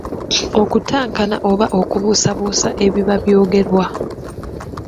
Okutankana oba okubuusabuusa ebiba by'ogerwa.